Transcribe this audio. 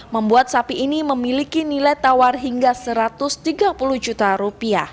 membuat sapi ini memiliki nilai tawar hingga rp satu ratus tiga puluh juta